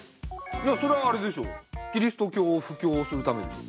いやそりゃあれでしょキリスト教を布教するためでしょ。